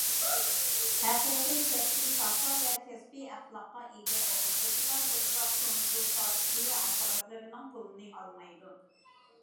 ھەقىقىي كەسپىي ساپا ۋە كەسپىي ئەخلاققا ئىگە ئوقۇتقۇچىلار بۇنداق كونسۇلتاتسىيە ئاپپاراتلىرىنىڭ پۇلىنى ئالمايدۇ.